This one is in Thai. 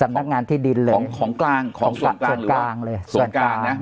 นักงานที่ดินเลยของของกลางของส่วนกลางเลยส่วนกลางนะ